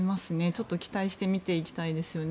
ちょっと期待して見ていきたいですよね。